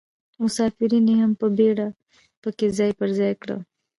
مسافرین یې په بیړه په کې ځای پر ځای کړل.